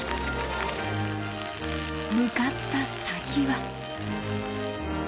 向かった先は。